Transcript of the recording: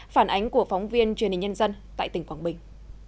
phản ánh của phóng viên truyền hình nhân dân tại tỉnh quảng bình